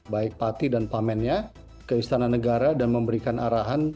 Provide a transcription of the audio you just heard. baik pati dan pamennya ke istana negara dan memberikan arahan